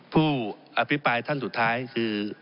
ผู้อภิปรายท่านสุดท้ายคือ